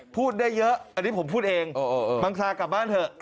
พูดได้เยอะอันนี้ผมพูดเองบังคลากลับบ้านเถอะ